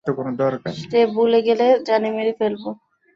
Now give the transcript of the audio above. Step ভুলে গেলে, জানে মেরে ফেলব।